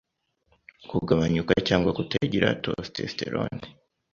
Kugabanyuka cyangwa kutagira testosterone